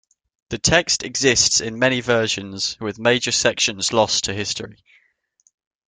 The text exists in many versions, with major sections lost to history.